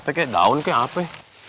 apa kek daun kek apa